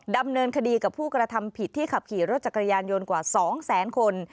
ดำเนินคดีกับผู้กระทำผิดที่ขับขี่รถจักรยานยนต์กว่า๒แสนคน